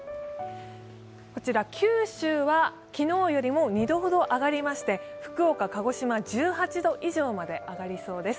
九州は昨日より２度ほど上がりまして福岡、鹿児島、１８度以上まで上がりそうです。